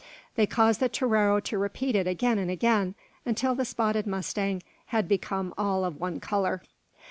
They caused the torero to repeat it again and again, until the spotted mustang had become all of one colour.